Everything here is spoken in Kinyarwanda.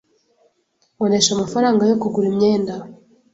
Nkoresha amafaranga yo kugura imyenda.